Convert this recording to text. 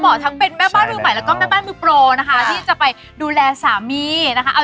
ทั้งเป็นแม่บ้านมือใหม่แล้วก็แม่บ้านมือโปรนะคะที่จะไปดูแลสามีนะคะ